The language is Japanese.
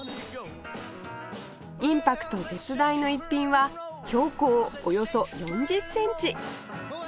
インパクト絶大の一品は標高およそ４０センチ